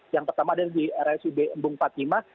yang pertama adalah di rsud embung fatima